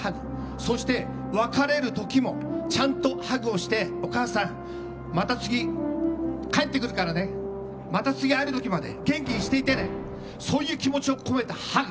そして、別れる時もちゃんとハグをしてお母さんまた次、帰ってくるからねまた次、会える時まで元気にしていてねそういう気持ちを込めたハグ。